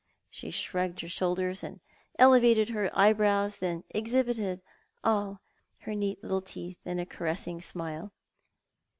She shrugged her shoulders and elevated her eyebrows, and then exhibited all her neat little teeth in a caressing smile.